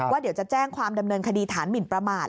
เดี๋ยวจะแจ้งความดำเนินคดีฐานหมินประมาท